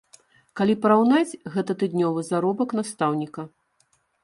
Калі параўнаць, гэта тыднёвы заробак настаўніка.